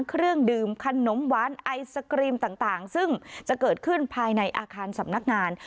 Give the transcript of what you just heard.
เครื่องดื่มขนมหวานไอศกรีมต่างซึ่งจะเกิดขึ้นภายในอาคารสำนักงาน